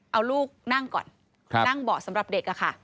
เอาลูกนั่งก่อนนั่งเบาะสำหรับเด็กค่ะ